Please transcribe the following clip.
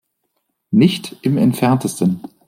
Nicht im Entferntesten.